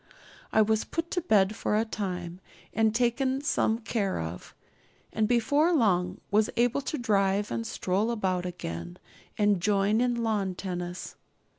I was put to bed for a time and taken some care of; and before long was able to drive and stroll about again, and join in lawn tennis.